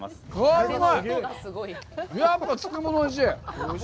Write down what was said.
やっぱ漬物、おいしい。